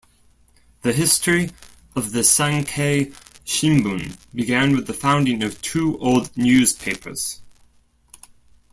The history of the Sankei Shimbun began with the founding of two old newspapers.